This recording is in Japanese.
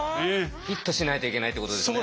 フィットしないといけないってことですね。